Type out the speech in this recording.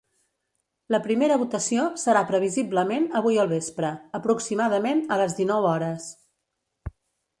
La primera votació serà previsiblement avui al vespre, aproximadament a les dinou hores.